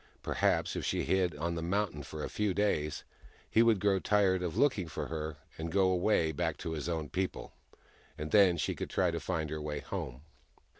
Perhaps, if she hid on the mountain for a few days he would grow tired of looking for her, and go away, back to his own people ; and then she could try to find her way home.